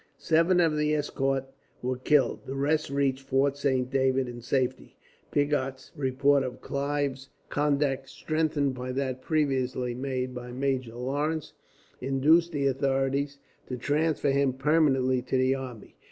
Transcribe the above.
Seven of the escort were killed, the rest reached Fort Saint David in safety. Pigot's report of Clive's conduct, strengthened by that previously made by Major Lawrence, induced the authorities to transfer him permanently to the army.